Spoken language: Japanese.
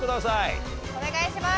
お願いします！